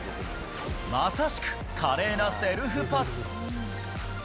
まさしく華麗なセルフパス。